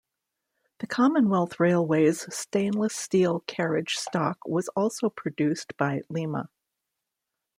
The Commonwealth Railways stainless steel carriage stock was also produced by Lima.